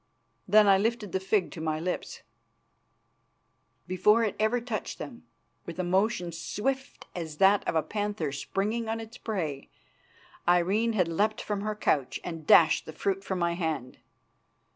Then I lifted the fig to my lips. Before ever it touched them, with a motion swift as that of a panther springing on its prey, Irene had leapt from her couch and dashed the fruit from my hand.